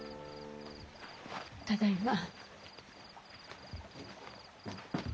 ただいま。